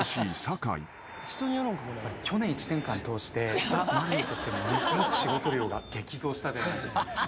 去年１年間通してザ・マミィとしてものすごく仕事量が激増したじゃないですか。